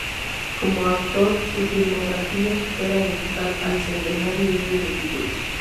Como actor, su filmografía supera en total el centenar y medio de títulos.